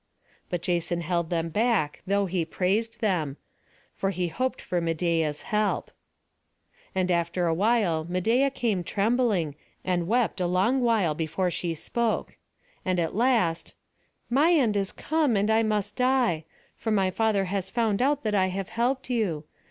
But Jason held them back, though he praised them; for he hoped for Medeia's help. And after awhile Medeia came trembling, and wept a long while before she spoke. And at last: "My end is come, and I must die; for my father has found out that I have helped you.